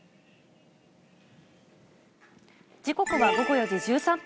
時刻は午後４時１３分。